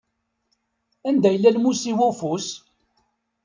Anda yella lmus-iw ufus?